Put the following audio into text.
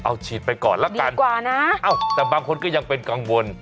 เอาฉีดไปก่อนละกันดีกว่านะเอ้าแต่บางคนก็ยังเป็นกังวล